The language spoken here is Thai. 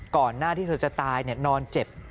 ก่อนหน้าที่เธอจะตายนอนเจ็บ